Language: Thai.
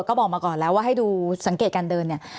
ตลวดก็บอกมาก่อนแล้วว่าให้ดูสังเกตการเดิน